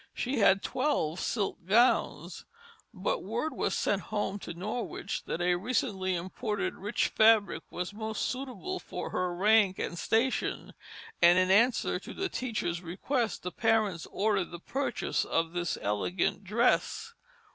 She had twelve silk gowns; but word was sent home to Norwich that a recently imported rich fabric was most suitable for her rank and station; and in answer to the teacher's request the parents ordered the purchase of this elegant dress.